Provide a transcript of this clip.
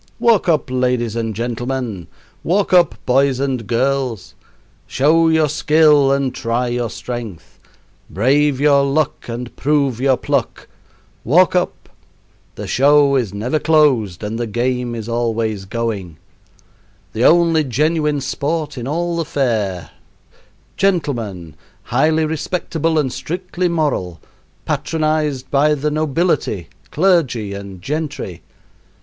Walk up, ladies and gentlemen! walk up, boys and girls! Show your skill and try your strength; brave your luck and prove your pluck. Walk up! The show is never closed and the game is always going. The only genuine sport in all the fair, gentlemen highly respectable and strictly moral patronized by the nobility, clergy, and gentry.